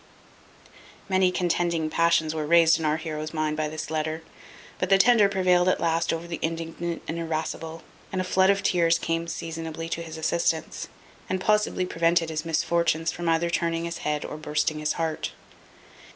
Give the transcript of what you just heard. Many contending passions were raised in our heroe's mind by this letter; but the tender prevailed at last over the indignant and irascible, and a flood of tears came seasonably to his assistance, and possibly prevented his misfortunes from either turning his head, or bursting his heart.